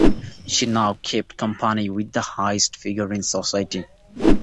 She now kept company with the highest figures in society.